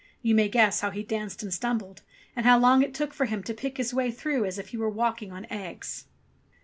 You may guess how he danced and stumbled and how long it took for him to pick his way through as if he were walking on eggs